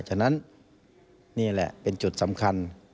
ฉะนั้นนี่แหละเป็นจุดสำคัญ